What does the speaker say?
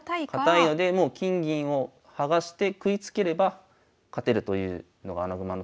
堅いので金銀を剥がして食いつければ勝てるというのが穴熊の特徴なので。